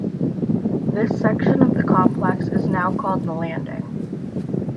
This section of the complex is now called The Landing.